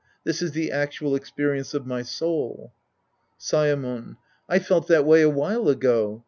This is the actual experience of my soul. Saemon. I felt that way a while ago.